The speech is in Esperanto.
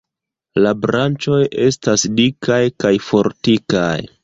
La branĉoj estas dikaj kaj fortikaj.